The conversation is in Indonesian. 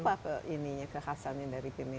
apa ini kekhasannya dari pim ini